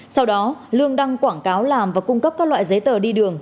sau đó lương đăng quảng cáo làm và cung cấp các loại giấy tờ đi đường